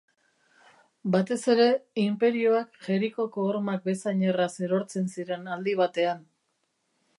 Batez ere, inperioak Jerikoko hormak bezain erraz erortzen ziren aldi batean.